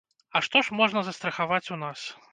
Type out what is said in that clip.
А што ж можна застрахаваць у нас?